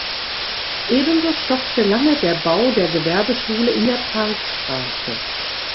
Ebenso stockte lange der Bau der Gewerbeschule in der Parkstraße.